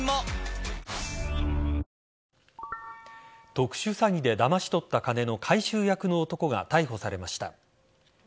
特殊詐欺でだまし取った金の回収役の男が逮捕されました。